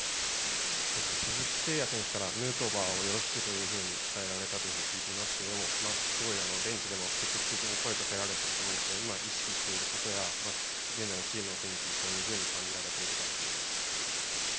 鈴木誠也選手からヌートバーをよろしくというふうに伝えられたというふうに聞いていますがすごいベンチでも積極的に声をかけられていると思いますけど今、意識していることや、現在のチームの雰囲気、どういうふうに感じられているかを教えてください。